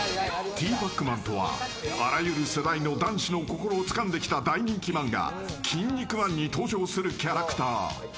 ティーパックマンとはあらゆる世代の男子の心をつかんできた大人気漫画「キン肉マン」に登場するキャラクター。